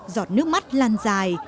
giọt nước mắt lan dài